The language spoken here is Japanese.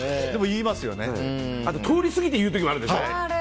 あと通り過ぎて言う時もあるでしょ。